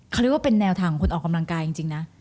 เขาเรียกว่าเป็นแนวทางของคนออกกำลังกายจริงนะ